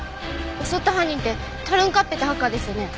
襲った犯人ってタルンカッペってハッカーですよね？